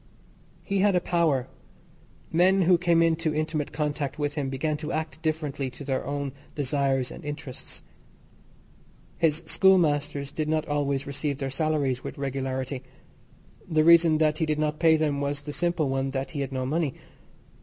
He had a power; men who came into intimate contact with him began to act differently to their own desires and interests. His schoolmasters did not always receive their salaries with regularity. The reason that he did not pay them was the simple one that he had no money.